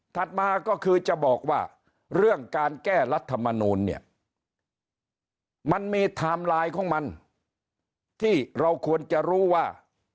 มาก็คือจะบอกว่าเรื่องการแก้รัฐมนูลเนี่ยมันมีไทม์ไลน์ของมันที่เราควรจะรู้ว่า